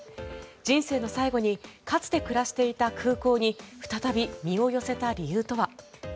人生の最後にかつて暮らしていた空港に再び身を寄せた理由とは。